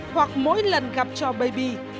hoặc mỗi lần gặp cho baby